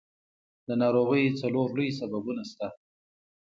د ناروغیو څلور لوی سببونه شته.